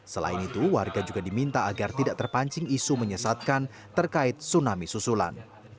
selain itu warga juga diminta agar tidak terpancing isu menyesatkan terkait tsunami susulan